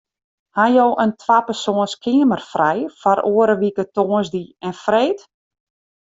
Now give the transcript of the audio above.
Ha jo in twapersoans keamer frij foar oare wike tongersdei en freed?